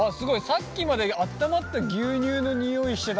さっきまで温まった牛乳の匂いしてたんだけど。